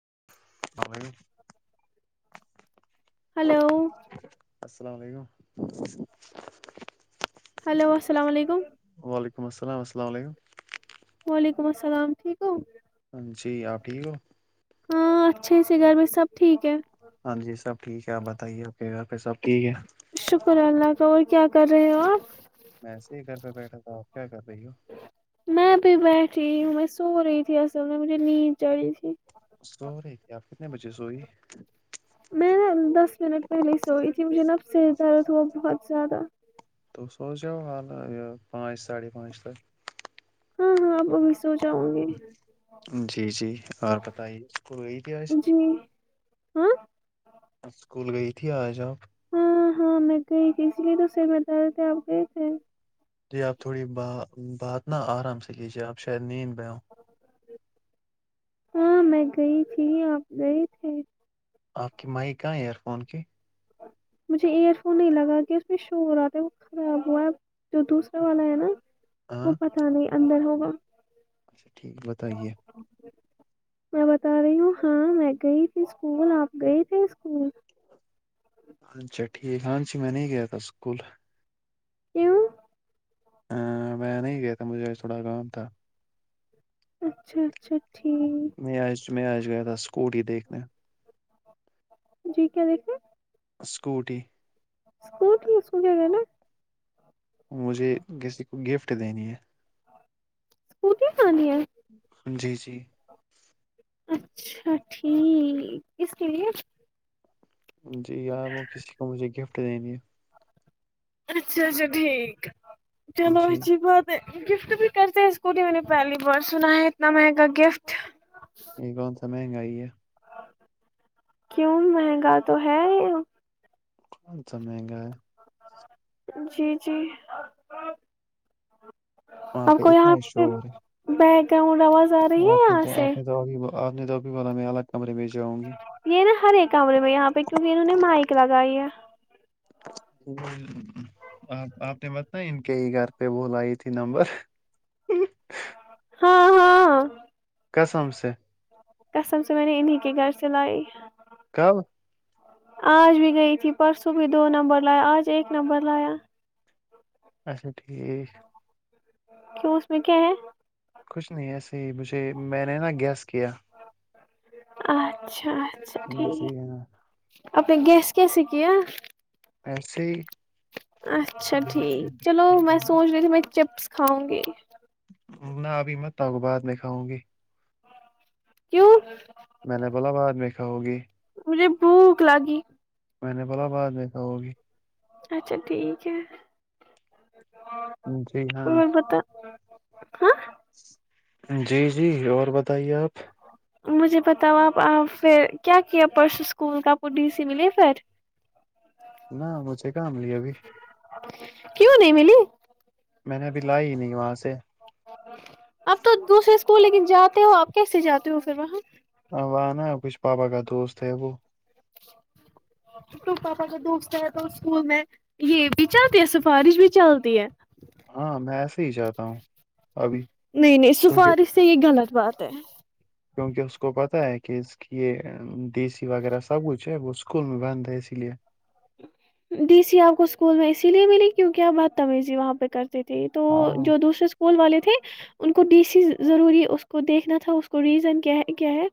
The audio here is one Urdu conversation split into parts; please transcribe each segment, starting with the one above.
[inaudible] ہلو السلام علیکم [inaudible] ہلو السلام علیکم وعلیکم السلام السلام علیکم وعلیکم السلام ٹھیک ہو جی آپ ٹھیک ہو ہاں اچھے سے گھر میں سب ٹھیک ہے ہاں جی سب ٹھیک ہے آپ بتائیے آپ کے گھر پہ سب ٹھیک ہے شکر اللہ کا اور کیا کر رہے ہو آپ میں ایسے ہی گھر پہ بیٹھا تھا آپ کیا کر رہی ہو میں بیٹھی میں سو رہی تھی اصل میں مجھے نیند چڑی تھی سوری [inaudible] میں دس منٹ پہلے ہی سوئی مجھے نا سر درد ہوا بہت زیادہ تو سوؤ حال یہ پانچ ساڑھے پانچ تک ہاں ہاں آپ ابھی سو جاؤں گے جی جی اور بتائیے اسکول گئی تھی آج ہوں اسکول گئی تھی آج آب ہاں ہاں میں گئی تھی اس لیے تو سم د رہے تھے آپ گئے تھے [inaudible] جی آپ تھوڑی ب بات نہ آرام سے کیجیے آپ شاید نیند پئے ہو ہاں میں گئی تھی آپ گئے تھے آپ کی مایک کہاں ہیں ایئر فون کی مجھے ایئر فون نہیں لگا کہ اس میں شور آ تھا وہ خراب ہوا ہے جو دوسرا والا ہے نا ہاں وہ پت نہیں اندر ہو ہاں [inaudible] اچھا ٹھیک بتائیے میں بتا رہی ہوں ہاں میں گئی تھی اسکول آپ گئے تھے اسکول ہاںھا ٹھیک ہاں جی میں نہیں گیا تھا اسکول [inaudible] ہ میں نہیں گیا تھا مجھے تھوڑا کام تھا اچھا اچھاچھ ٹھ اس میں آچ گیا تھا اسکوٹی ہی دیکھنے جی کیا دیکھے اسکوٹی اس کوٹ ہی سو جائے گا نا مجھے کسی کو گفٹ دینی ہے اسکوٹی کہانی ہے جی جی اچھا ٹھیک اسس کے لیے جی یار وہ کسی کو مجھے گفٹ دینی ہے اچھا اچھا ٹھیک ہے چلو جی اھی بت ہے گفٹ بھی کرتے ہیں اس کو نہیں میں نے پہلی بار سنا ہے اتنا مہنگا گفٹ یہ گو سمے منگ آئیے کیوں مہنگا تو ہے یہ کون سا مہنگا ہے جی جی وہاں اور پہ کوئی یہاں اتنا پ شور بی کہ آواز آ رہی ہے آپ نے یہاں تو سے آپ نے تو ابھی آپ نے توب بھی با میں الگ کمرے میں جاؤں گی یہ نا ہر ایک کمرے میں یہاں پہ کیونکہ انہوں نے مائک لگائی ہے آپ آپ نے بت ان کے ہی گھر پہ بلائی تھی نمبر ہاں ہاں ہاں کسم سے کسم سے میں نے انیں کے گھر سے لائی کب آج بھی گئی تھی پرسوں بھی دو نمبر لایا آج ایک نمبر لایا اچھا ٹھیک کیوں اس میں کیا ہے کچھ نہیں ایسے ہی مجھے میں نے نا گیس کیا اچھاچ جٹییک ہے نا اپنے گیس کیسیے کیایا ایسے ہی اچھا ٹھیک چلو میں سوچ رہی تھی بائی چپس کھاؤ گی نہ ابھی میںت کو بعات نہیں کھاؤں گی کیوں میں نے بولا بعد میں کھاؤ گے مجھے بھوک لگی میں نے فلاباد دیکھا ہوگی اچھا ٹھیک ہے جی ہاں اور بتا ہاں جی جی اور بتائیے آپ مجھے بتاؤ آپ پھر کیا کیا پرسس اسکول کا پڈی سی ملے پھر نہ مجھے کام ل ابھی کیوں نہیں ملی میں نے ابھی لائی ہی نہیں وہاں سے اب تو دوسرے اسکول لیکن جاتے ہو آپ کیسے جاتے ہو پھر وہاں ہاںبناا ہے کچھ پابا کا دوست ہے وہ تو پاپا کا دوست ہے تو اسکول میں یہ بھی چلتی ہے سفارش بھی چلتی ہے ہاں میں ایسے ہی جاتا ہوں ابھی نہیں نہیں کیونکہ سفارش سے یہ غلط بات ہے کیونکہ اس کو پتہ ہے کہ اس کی یہ دیسی وغیرہ سب کچھ ہے وہ اسکول میں بند ہے اسی لیے ڈی سی آپ کو اسکول میں اسی لیے ملی کیوںکہ آپ بت تمیزی وہاں پہ کرتے تھھی تو ہاں جو دوسرے اسکول والے تھ تھے ان کو ڈی سی ضروری اس کو دیکھنا تھا اس کو ریزن کیا کیا ہے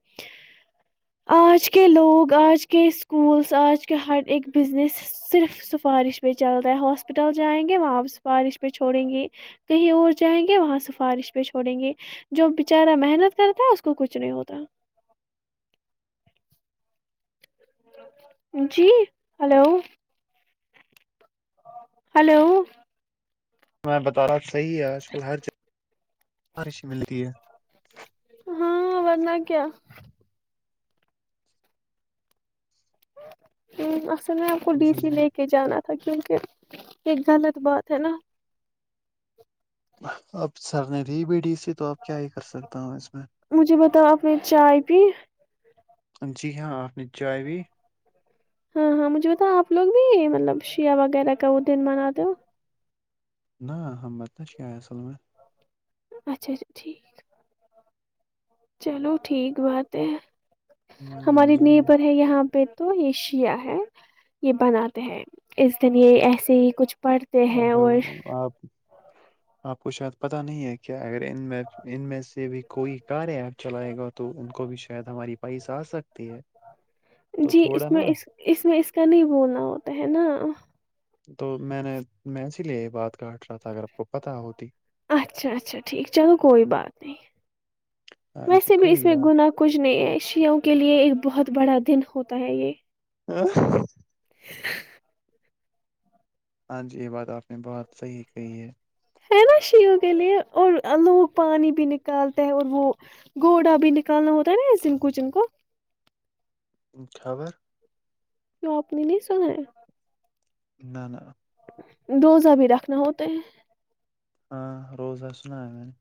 آج کے لوگ آج کے اسکولس آج کے ہر ایک بزنس صرف سفارش پہ چلتا ہے ہاسپٹل جائیں گے وہاں سفارش پہ چھوڑیں گے کہیں اور جائیں گے وہاں سفارش پہ چھوڑیں گے جو بچارا محنت کرتا ہے اس کو کچھ نہیں ہوتا جی ہلو ہلو میں بتا اب صحیح ہے آج کل ہر جگہش ملتی ہے ہاں ورنہ کیا بس تو میں آپ کو ڈی جی سی جی لے کے جانا تھا کیونکہ یہ غلط بات ہے نا اب سر نے دی بی ڈی سے تو آپ کیا ہی کر سکتا ہوں اس میں مجھے بتاؤ اپ میں چائے پی جی ہاں نچائے بھی ہاں ہاں مجھے بتا آپ لوگ بھی مطلب شییاہ وغیرہ کا وہ دن مناتے ہو نہ ہم بدش کیا ہے اصل میں اچھا اچھا ٹھیک چلو ٹھیک بات ہے ہاں ہماری جی نی پر ہاں ہے یہاں پہ تو یہ شیع ہے یہ بناتے ہیں اس دن یہ ایسے ہی کچھ پڑھتے ہیں آپ اور آپ آپ کو شاید پتا نہیں ہے کیا اگر ان میں ان میں سے بھی کوئی کار ہے ا چلائے گا تو ان کو بھی شاید ہماری پیس آ سکتی ہے تو جی تھوڑا اس میں نا اس اس میں اس کا نہیں بولنا ہوتا ہے نا تو میں نے میں اسی لیے یہ بات کاٹ رہا تھا اگر آپ کو پت ہوتی اچھا اچھا ٹھیک چلو کوئی بات نہیں ہاں جی ویسے بھی اس کوئی میں بات گناہ کچھ نہیں ہے شیوں کے لیے ایک بہت بڑا دن ہوتا ہے یہ ہ [unintelligible] ہاں جی یہ بات آپ نے بہت صحیح کہی ہے ہے نا شیوں کے لیے اور لوگ پانی بھی نکالتے ہیں اور وہ گھوڑا بھی نکالنا ہوتا ہے نا اس دن کوچن کو خابر کی آپ نے نہیں سنا ہے نہ نہ ڈوزہ بھی رکھنا ہوتا ہے ہاں روز ہ سنایا میں نے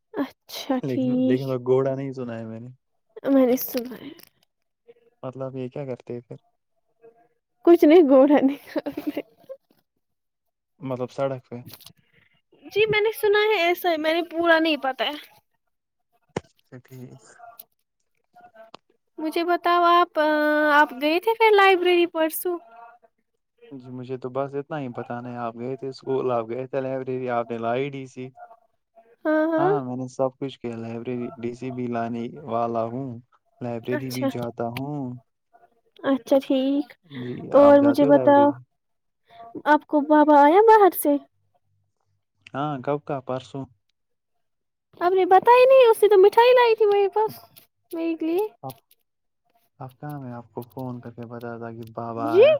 ہے اچھا لیکن لیکن وہ گھوڑا نہیں سنا ہے میں نے ہمس مطلب یہ کیا کرتے پھر کچھ نہیں گوڑا نہیں مطلب سڑک پہ اچھا جی میں نے سنا ہے ایسا میں نے پورا نہیں پتا ہے سٹ ہی مجھے بتاؤ آپ آپ گئے تھے پھر لائبریری پرسوں جی مجھے تو بس اتنا ہی پتاہ نہیں آپ گئے تھے اسکول آپ گئے تھے لائبریری آپ نے لائی ڈی سی ہاں میں نے سب کچھ کیا لائبریری ڈی سی بھی لانے والا ہوں لائبریری بھی جاتا ہوں اچھاچ ٹھیک جی آپ اور جاتی مجھے ہو بتاؤ لائبریری آپ کو بابا آیا باہر سے ہاں گؤ کا پرسوں اب نے بتا ہی نہیں اس سے تو مٹھائی لائی میرے پاس مک لی آپ آپ کہم ہے آپ کو فون کر ب زا کہ بابا جی آ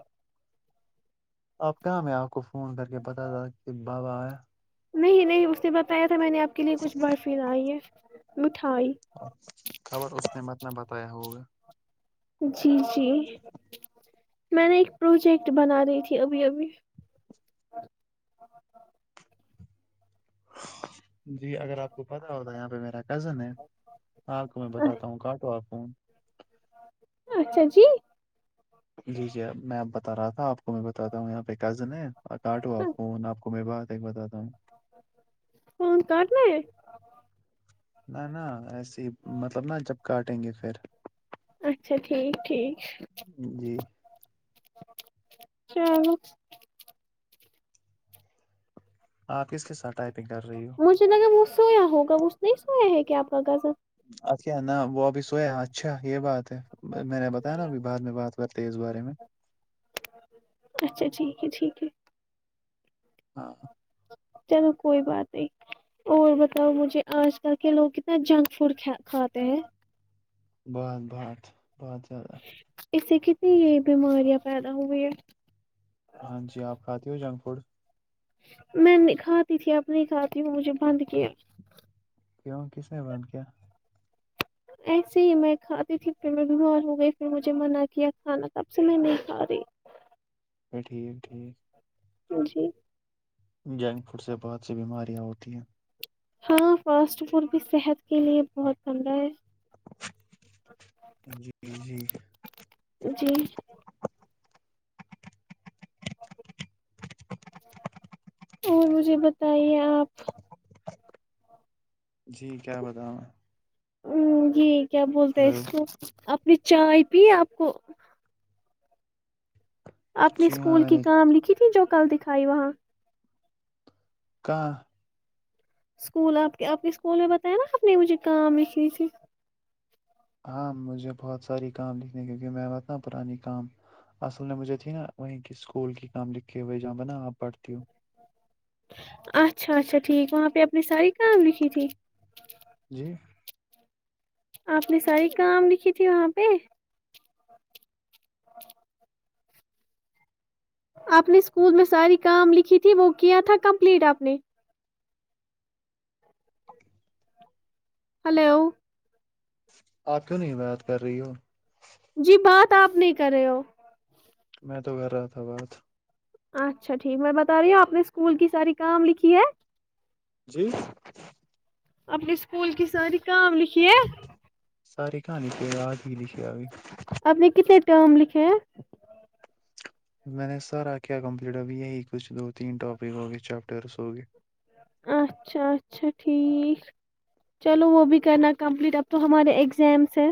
آپ کہاں میں آپ کو فون کر کے بتا تھا کہ بابا آیا نہیں نہیں اس نے بتایا تھا میں نے آپ کے لیے کچھ بارفھر آئی ہے مٹھائی خبر اس نے مت نہ بتایا ہوگا جی جی میں نے ایک پروجیکٹ بنا لیی تھی ابھی ابھی جی اگر آپ کو پتا ہوتا یہاں پہ میرا کزن ہے آپ کو میں بتاتا ہوں کٹو آپ فون اچھا جی جی جی میں اب بتا رہا تھا آپ کو آپ کو میں بتاتا ہوں یہاں پہ کزن ہے کاٹو آپ فون آپ کو میرے بات ایک بت فون کاٹنا ہے نہ نہ ایسے مطلب نا جب کاٹیں گے پھر اچھا ٹھیک ٹھیک جی ا آپ کس کے ساتھ ٹائپنگ کر رہی ہو مجھے لگا وہ سویا ہوگا وہ نہیں سویا ہے کیا آپ ہوگا س ا کیا ہے نا وہ ابھی سویا اچھا یہ بات ہے میں نے بتایا نا ابھی بعد میں بات کرتے اس بارے میں اچھا ٹھیک ہے ٹھیک ہے ہاں چلو کوئی بات نہیں اور بتاؤ مجھے آج کل کے لوگ کتنا جنک فوڈ کھاتے ہیں بہت بہت بہت زیادہ اس سے کتنی یہ بیماریاں پیدا ہوئی ہے ہاں جی آپ کھاتی ہو جنک فوڈ میں کھاتی تھی اپ نہیں کھاتی ہوں مجھے بند کیا کیوں کس نے بان کیا ایسے ہی میں کھاتی تھی پھر میں بیمار ہو گئی پھر مجھے منع کیا کھانا کب سے میں نہیں کھا رہی ا ٹھیک ٹھیک جی جنک فوڈ سے بہت سی بیماریاں ہوتی ہیں ہاں فاسٹ فوڈ بھی صحت کے لیے بہت ھنڈا ہے جی جی جی اور مجھے بتائیے آپ جی کیا بتاؤں میں ہوں جی کیا بولتے ہیں اس کو اپنی چائے پی آپ کو اپنے جی ہاں اسکول میں کی نے کام لکھی تھی جو کل دکھائی وہاں کہ [unintelligible] اسکول آپ کے آپ کے اسکول میں بتایا نا آپ نے مجھے کام لکھنی تھی ہاں مجھے بہت ساری کام لکھنے کیونکہ میںتنا پرانی کام اصل نے مجھے تھی نا وہیں کی اسکول کی کام لکھ کے ہو جہاں بنا آپ پڑھتی ہوں اچھا اچھا ٹھیک وہاں پہ اپنی ساری کام لکھی تھی جی آپ نے ساری کام لکھی تھی وہاں پہ ہاں آپ نے اسکول میں ساری کام لکھی تھی وہ کیا تھا کمپلیٹ آپ نے ہلو آپ کیوں نہیں بات کر رہی ہو جی بات آپ نہیں کر رہے ہو میں تو کر رہا تھا بہت اچھا ٹھیک میں بتا رہی ہوں آپ نے اسکول کی ساری کام لکھی ہے جی اپنی اسکول کی ساری کام لکھیے ساری کہانی پ ریاد ہی لکھھی آب آپ نے کتنے ٹم لکھے ہیں میں نے سارا کیا کمپلیٹ ابھی یہی کچھ دو تین ٹاپک ہو گئے چیپٹرس ہو گئے اچھا اچھا ٹھیک چلو وہ بھی کرنا کمپلیٹ اب تو ہمارے اگزامس ہے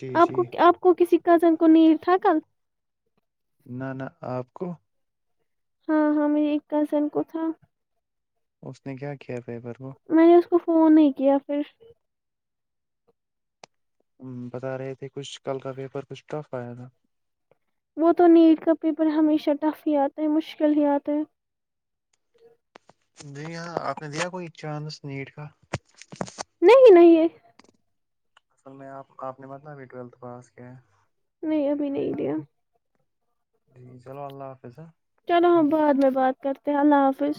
جی آپ جی کو آپ کو کسی کزن کو نہیں تھا کل [unintelligible] نہ نہ آپ کو ہاں ہاں مے ایک کزن کو تھا اس نے کیا کیا پیپر کو میں نے اس کو فون نہیں کیا پھر بتا رہے تھے کچھ کل کا پیپر کچھ ٹف آیا تھا وہ تو نیٹ کا پیپر ہمیشہ ٹف ہی آتا ہے مشکل ہی آتا ہے ج یہاں آپ نے دیا کوئی چانس نیٹ کا نہیں نہیں اصل میں آپ آپ نے مت ابھی ٹویلتھ پاس کیا ہے نہیں ابھی نہیں دیا جی چلو اللہ حافظ ہے چلو ہم بعد میں بات کرتے ہیں اللہ حافظ